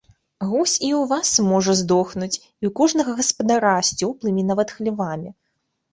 Гусь і ў вас можа здохнуць, і ў кожнага гаспадара, з цёплымі нават хлявамі.